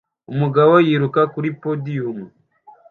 Umugabo yiruka kuri podiyumu